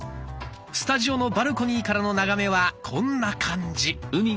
スタジオのバルコニーからの眺めはこんな感じ。